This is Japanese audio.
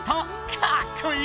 かっこいい！